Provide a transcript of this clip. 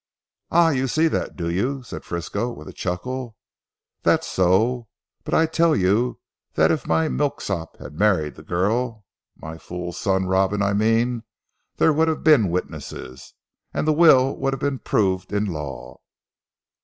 "Ah! you see that do you," said Frisco with a chuckle, "that's so. But I tell you that if my milksop had married the girl my fool son Robin I mean there would have been witnesses, and the will would have been proved in law."